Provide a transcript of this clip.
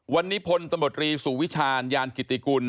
วันนี้พลตมตรีสู่วิชานยานกิติกุล